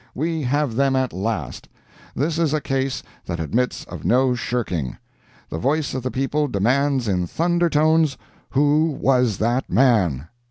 We have them at last! This is a case that admits of no shirking. The voice of the people demands in thunder tones, "WHO WAS THAT MAN?"